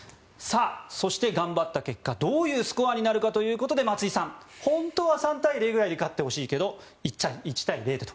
そして、頑張った結果どういうスコアになるかということで松井さん、本当は３対０ぐらいで勝ってほしいけど１対０だと。